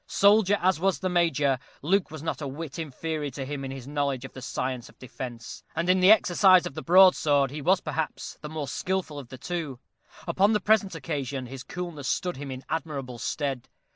Soldier as was the Major, Luke was not a whit inferior to him in his knowledge of the science of defence, and in the exercise of the broadsword he was perhaps the more skilful of the two: upon the present occasion his coolness stood him in admirable stead.